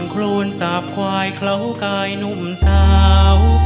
โครนสาบควายเคล้ากายหนุ่มสาว